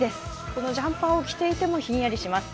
このジャンパーを着ていてもひんやりします。